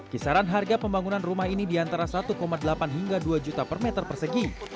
kisaran harga pembangunan rumah ini di antara satu delapan hingga dua juta per meter persegi